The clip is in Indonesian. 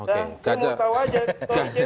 saya mau tahu aja